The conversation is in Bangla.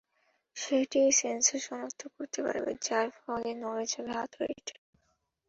সেটিই সেন্সর শনাক্ত করতে পারবে, যার ফলে নড়ে যাবে হাতুড়িটা।